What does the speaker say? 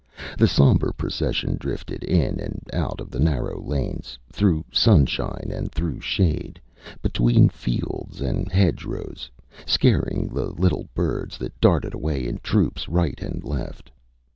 The sombre procession drifted in and out of the narrow lanes, through sunshine and through shade, between fields and hedgerows, scaring the little birds that darted away in troops right and left.